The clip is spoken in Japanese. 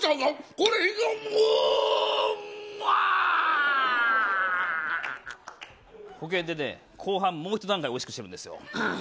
これ、保険でね、後半もう一段階おいしくしてるんですよ。